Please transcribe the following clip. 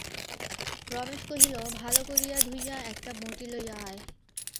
রমেশ কহিল, ভালো করিয়া ধুইয়া একটা বঁটি লইয়া আয়।